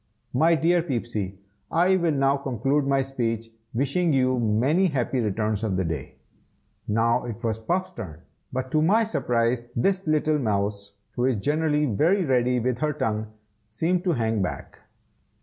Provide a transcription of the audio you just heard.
My dear Peepsy, I will now conclude my speech, wishing you many happy returns of the day." Now it was Puff's turn, but to my surprise, this little mouse, who is generally very ready with her tongue, seemed to hang back.